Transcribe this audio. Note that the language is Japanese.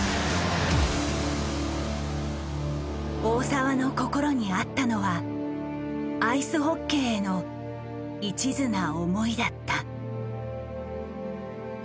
大澤の心にあったのはアイスホッケーへのいちずな思いだった。